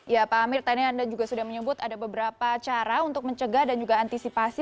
ya pak amir tadi anda juga sudah menyebut ada beberapa cara untuk mencegah dan juga antisipasi